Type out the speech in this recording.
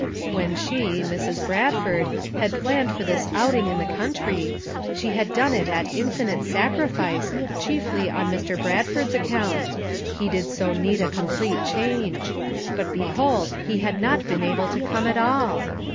When she, Mrs. Bradford, had planned for this outing in the country, she had done it at infinite sacrifice chiefly on Mr. Bradford's account; he did so need a complete change ; but behold he had not been able to come at all!